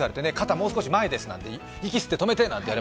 もう少し前です、息吸って止めてなんて。